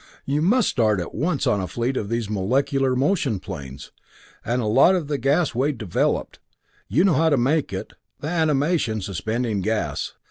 You must start at once on a fleet of these molecular motion planes and a lot of the gas Wade developed you know how to make it the animation suspending gas.